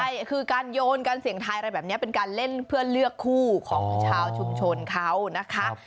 ใช่คือการโยนการเสี่ยงทายอะไรแบบนี้เป็นการเล่นเพื่อเลือกคู่ของชาวชุมชนเขานะคะ